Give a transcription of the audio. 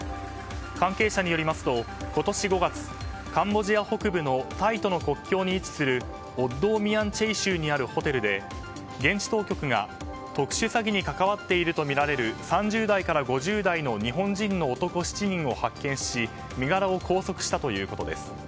関係者によりますと今年５月、カンボジア北部のタイとの国境に位置するオッドーミアンチェイ州にあるホテルで現地当局が特殊詐欺に関わっているとみられる３０代から５０代の日本人の男７人を発見し身柄を拘束したということです。